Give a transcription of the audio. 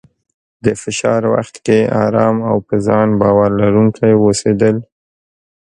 د فشار وخت کې ارام او په ځان باور لرونکی اوسېدل،